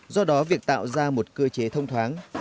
do đó việc tạo ra một cơ chế thông thoáng